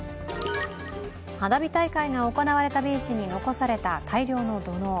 花火大会が行われたビーチに残された大量の土のう。